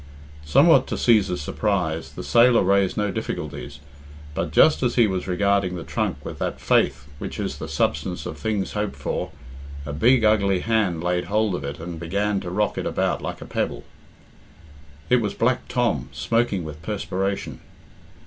Somewhat to Cæsar's surprise, the sailor raised no difficulties, but just as he was regarding the trunk with that faith which is the substance of things hoped for, a big, ugly hand laid hold of it, and began to rock it about like a pebble. It was Black Tom, smoking with perspiration.